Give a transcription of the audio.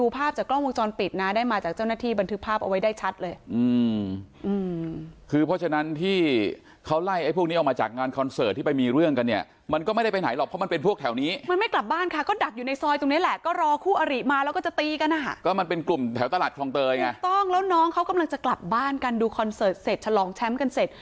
ภาพจากกล้องวงจรปิดนะได้มาจากเจ้าหน้าที่บันทึกภาพเอาไว้ได้ชัดเลยอืมอืมคือเพราะฉะนั้นที่เขาไล่ไอ้พวกนี้ออกมาจากงานคอนเสิร์ตที่ไปมีเรื่องกันเนี้ยมันก็ไม่ได้ไปไหนหรอกเพราะมันเป็นพวกแถวนี้มันไม่กลับบ้านค่ะก็ดักอยู่ในซอยตรงเนี้ยแหละก็รอคู่อริมาแล้วก็จะตีกันอ่ะก็มันเป็นกลุ่มแถ